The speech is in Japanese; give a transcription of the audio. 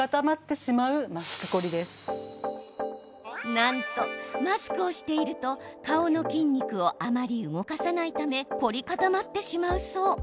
なんと、マスクをしていると顔の筋肉をあまり動かさないため凝り固まってしまうそう。